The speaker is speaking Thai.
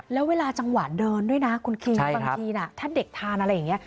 แล้วเวลาจังหวะเดินด้วยนะคุณคิงบางทีถ้าเด็กทานอะไรอย่างนี้